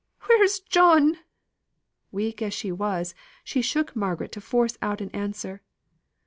Where's John?" Weak as she was, she shook Margaret to force out an answer.